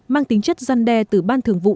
mang tính chất gian đe từ ban thường vụ